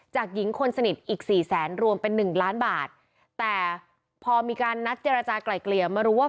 หญิงคนสนิทอีกสี่แสนรวมเป็นหนึ่งล้านบาทแต่พอมีการนัดเจรจากลายเกลี่ยมารู้ว่า